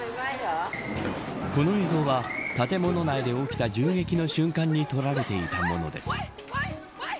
この映像は建物内で起きた銃撃の瞬間に撮られていたものです。